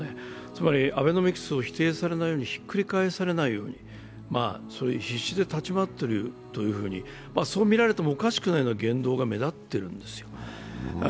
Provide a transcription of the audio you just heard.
つまりアベノミクスを否定されないように、ひっくり返されないように必死で立ち回っているというふうに、そう見られてもおかしくないような言動が目立ってるんですよ。